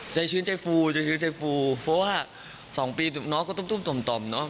ใจชื้นใจฟูใจชื้นใจฟูเพราะว่าสองปีเนอะก็ตุ้มตุ้มต่มต่มเนอะ